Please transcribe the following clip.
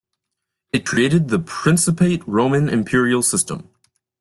It created the principate Roman imperial system.